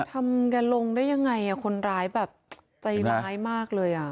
ทำงานลงได้ยังไงคนรายใจร้ายมากเลย